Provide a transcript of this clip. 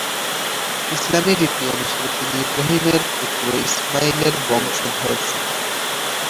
ইসলামী রীতি অনুসারে তিনি ইব্রাহিম এর পুত্র ইসমাঈল এর বংশধর ছিলেন।